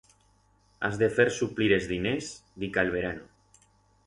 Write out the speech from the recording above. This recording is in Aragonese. Has de fer suplir es diners dica el verano.